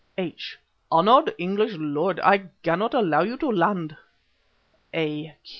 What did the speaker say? H.: "Honoured English lord, I cannot allow you to land." A.Q.